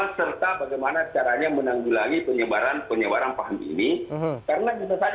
asal semuanya ya di bidang penyebaran paham ini karena mohon maaf penyebaran itu melalui beberapa buku makanya kami ke sana